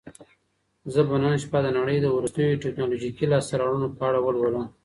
زه به نن شپه د نړۍ د وروستیو ټیکنالوژیکي لاسته راوړنو په اړه ولولم.